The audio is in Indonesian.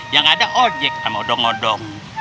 yang ada ojek sama odong odong